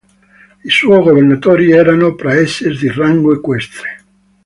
I suoi governatori erano "praeses" di rango equestre.